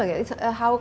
di lombok bagaimana